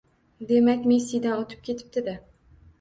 Demak, Messidan o`tib ketibdi-da